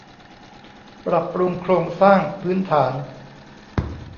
ปรับปรุงโครงสร้างพื้นฐาน